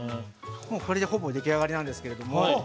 ◆これでほぼでき上がりなんですけれども。